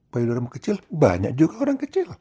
payudara kecil banyak juga orang kecil